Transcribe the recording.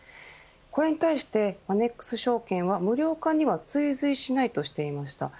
これに対してマネックス証券は無料化には追随しないとしていました。